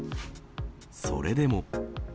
それでも。